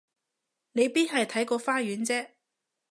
你邊係睇個花園啫？